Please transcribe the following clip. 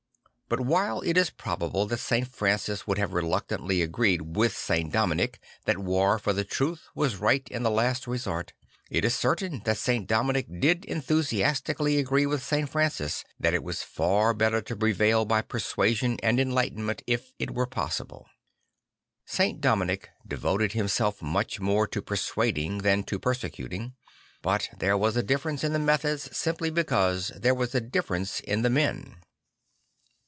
But while it is probable that St. Francis would have reluctantly agreed with St. Dominic that war for the truth was right in the last resort, it is certain that St. Dominic did enthusiastically agree with St. Francis that it was far better to prevail by persuasion and enlightenment if it were possible. St. Dominic devoted himself much more to persuading than to persecuting; but there was a difference in the methods simply because there was a difference in the men.